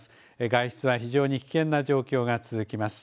外出は非常に危険な状況が続きます。